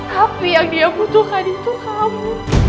tapi yang dia butuhkan itu kamu